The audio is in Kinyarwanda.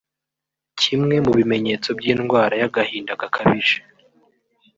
Kimwe mu bimenyetso by’indwara y’agahinda gakabije